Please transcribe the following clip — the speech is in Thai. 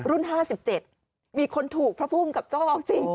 รุ่น๕๗มีคนถูกพระภูมิกับจ้องจริง